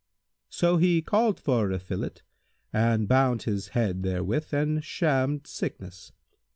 So he called for a fillet and bound his head therewith and shammed sickness.